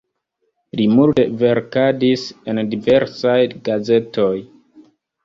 Li multe verkadis en diversaj gazetoj.